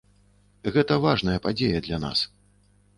Гэта важная падзея для нас.